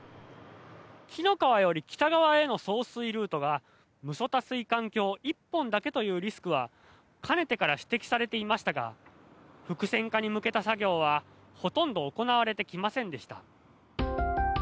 紀の川より北側への送水ルートが六十谷水管橋１本だけというリスクはかねてから指摘されていましたが複線化に向けた作業はほとんど行われてきませんでした